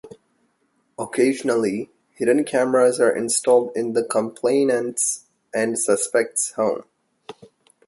Occasionally, hidden cameras are installed in the complainant's and suspect's home.